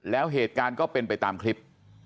แล้วเหตุการณ์ก็เป็นไปตามคลิป